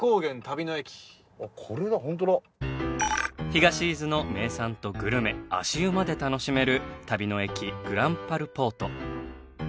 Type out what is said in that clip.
東伊豆の名産とグルメ足湯まで楽しめる旅の駅ぐらんぱるぽーと。